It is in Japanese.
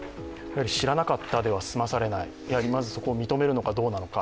知らなかったでは済まされない、まずそこを認めるのかどうなのか。